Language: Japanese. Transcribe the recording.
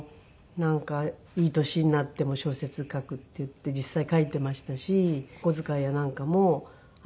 いい年になっても小説書くっていって実際書いてましたしお小遣いやなんかも。